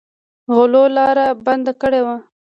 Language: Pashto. غلو لاره بنده کړې وه.